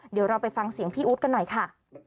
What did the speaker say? เดี๋ยวเราไปฟังเสียงพี่อู๊ดกันหน่อยค่ะ